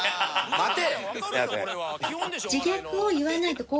待て。